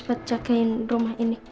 bagaimana cara menjaga rumah ini